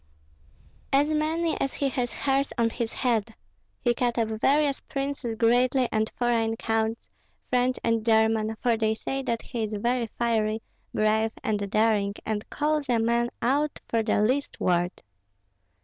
"As many as he has hairs on his head! He cut up various princes greatly and foreign counts, French and German, for they say that he is very fiery, brave, and daring, and calls a man out for the least word."